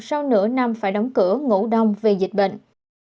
sau nửa năm phải đóng cửa ngủ đông vì dịch bệnh